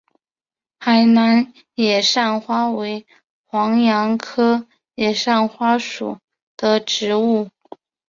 海南野扇花为黄杨科野扇花属的植物。